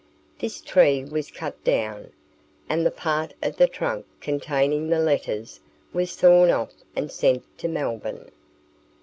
This tree was cut down, and the part of the trunk containing the letters was sawn off and sent to Melbourne.